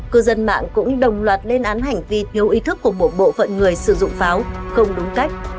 cư dân mạng cũng đồng loạt lên án hành vi thiếu ý thức của một bộ phận người sử dụng pháo không đúng cách